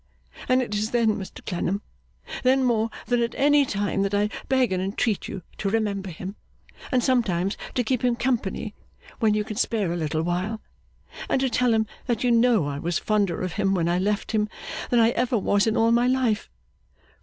And it is then, Mr Clennam, then more than at any time, that I beg and entreat you to remember him, and sometimes to keep him company when you can spare a little while; and to tell him that you know I was fonder of him when I left him, than I ever was in all my life.